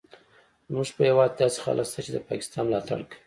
زموږ په هیواد کې داسې خلک شته چې د پاکستان ملاتړ کوي